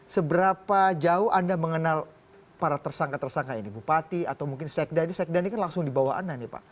seberapa jauh anda mengenal para tersangka tersangka ini bupati atau mungkin sekda ini sekda ini kan langsung dibawa anda nih pak